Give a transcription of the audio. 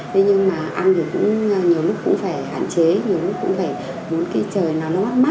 thế nhưng mà ăn nhiều lúc cũng phải hạn chế nhiều lúc cũng phải muốn cái trời nó mát thì mới dám ăn